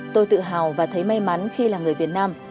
tôi tự hào và thấy may mắn khi là người việt nam